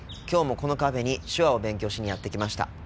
今日もこのカフェに手話を勉強しにやって来ました。